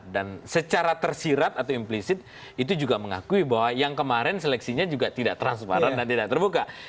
dan secara tersirat atau implicit itu juga mengakui bahwa yang kemarin seleksinya juga tidak transparan dan tidak terbuka